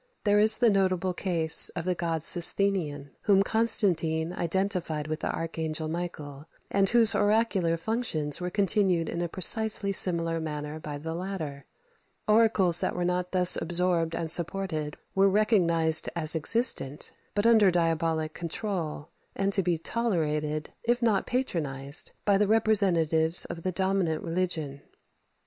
There is the notable case of the god Sosthenion, whom Constantine identified with the archangel Michael, and whose oracular functions were continued in a precisely similar manner by the latter. Oracles that were not thus absorbed and supported were recognized as existent, but under diabolic control, and to be tolerated, if not patronized, by the representatives of the dominant religion.